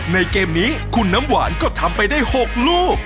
เกมนี้คุณน้ำหวานก็ทำไปได้๖ลูก